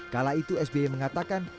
kala itu sbe mengatakan